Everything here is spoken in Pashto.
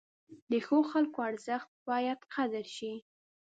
د ښو خلکو ارزښت باید قدر شي.